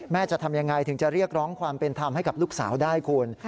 จะทำยังไงถึงจะเรียกร้องความเป็นธรรมให้กับลูกสาวได้คุณ